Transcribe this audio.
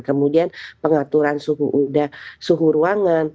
kemudian pengaturan suhu udara suhu ruangan